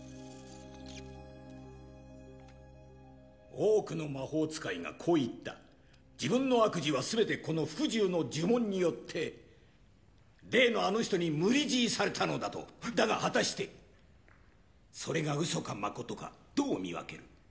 多くの魔法使いがこう言った自分の悪事は全てこの服従の呪文によって例のあの人に無理強いされたのだとだが果たしてそれが嘘かまことかどう見分ける？